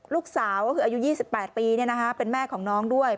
ลูกสาวก็คืออายุ๒๘ปีเป็นแม่ของน้องด้วย